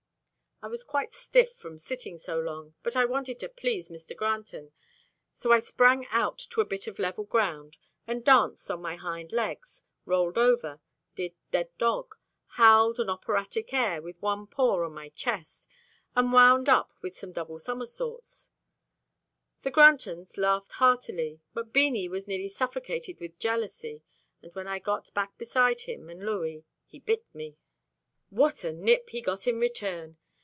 I was quite stiff from sitting so long, but I wanted to please Mr. Granton, so I sprang out to a bit of level ground and danced on my hind legs, rolled over, did dead dog, howled an operatic air with one paw on my chest, and wound up with double somersaults. The Grantons laughed heartily, but Beanie was nearly suffocated with jealousy, and when I got back beside him and Louis, he bit me. What a nip he got in return!